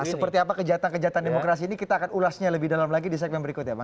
seperti apa kejahatan kejahatan demokrasi ini kita akan ulasnya lebih dalam lagi di segmen berikutnya